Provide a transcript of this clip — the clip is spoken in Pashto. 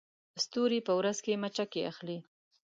ستوري په ورځ کې مچکې اخلي